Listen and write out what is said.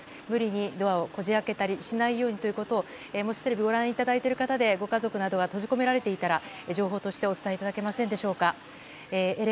無理にドアをこじ開けたりしないようにということをもしテレビをご覧いただいている方でご家族などが閉じ込められていたら情報としてお伝えいただけませんでしょうか。